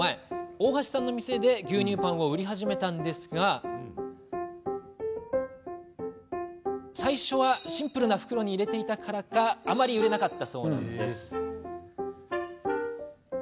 大橋さんの店で牛乳パンを売り始めたんですが最初は、シンプルな袋に入れていたからかあまり売れなかったそうなんです。